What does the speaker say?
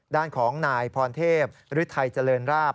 ด้านของนายพรเทพฤทัยเจริญราบ